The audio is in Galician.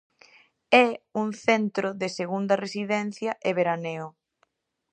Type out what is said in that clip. É un centro de segunda residencia e veraneo.